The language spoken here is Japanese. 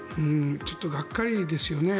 ちょっとがっかりですよね。